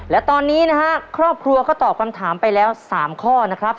และตอนนี้นะฮะครอบครัวก็ตอบคำถามไปแล้ว๓ข้อนะครับ